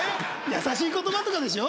優しい言葉とかでしょ？